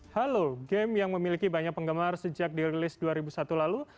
halo game yang memiliki banyak penggemar sejak dirilis dua ribu satu lalu